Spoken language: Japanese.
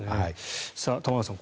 玉川さん